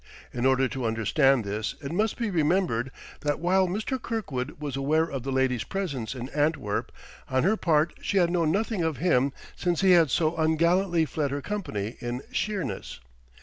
In order to understand this it must be remembered that while Mr. Kirkwood was aware of the lady's presence in Antwerp, on her part she had known nothing of him since he had so ungallantly fled her company in Sheerness.